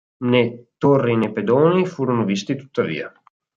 Ne Torri ne Pedoni furono visti tuttavia.